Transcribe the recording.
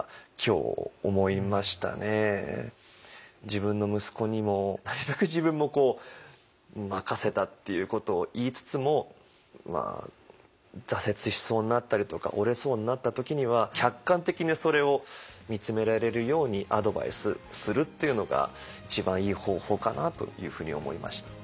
自分の息子にもなるべく自分も任せたっていうことを言いつつも挫折しそうになったりとか折れそうになった時には客観的にそれを見つめられるようにアドバイスするっていうのが一番いい方法かなというふうに思いました。